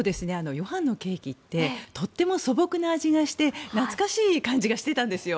ヨハンのケーキってとっても素朴な味がして懐かしい感じがしていたんですよ。